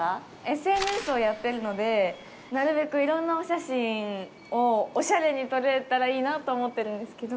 ＳＮＳをやってるのでなるべくいろんなお写真をおしゃれに撮れたらいいなと思ってるんですけど。